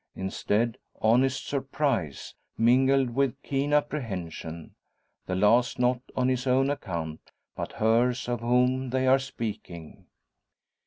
Instead, honest surprise mingled with keen apprehension; the last not on his own account, but hers of whom they are speaking.